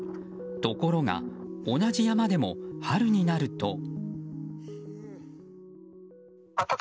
ところが、同じ山でも春になると。